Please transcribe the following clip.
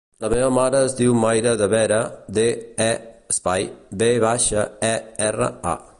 La meva mare es diu Maya De Vera: de, e, espai, ve baixa, e, erra, a.